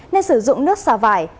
nên sử dụng nước xà vải